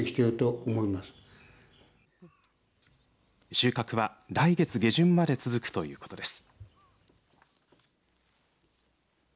収穫は来月下旬まで続くということです。